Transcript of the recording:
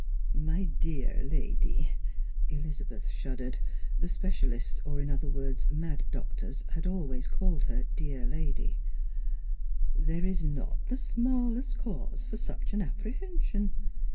" My dear lady," — Elizabeth shuddered ; the specialists, or in other words mad doctors, had always called her " dear lady," —• "there is not the smallest cause for such an apprehension.